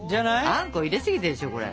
あんこ入れすぎてるでしょこれ。